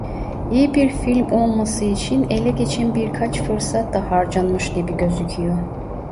İyi bir film olması için ele geçen birkaç fırsat da harcanmış gibi gözüküyor.